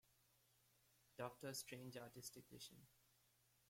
Doctor's strange artistic vision.